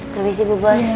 terus ibu bos